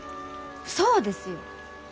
そうですよ！